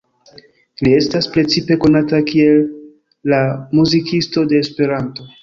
Li estas precipe konata kiel „la muzikisto de Esperanto“.